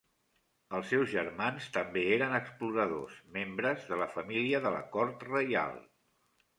Els seus germans també eren exploradors, membres de la família de la Cort Reial.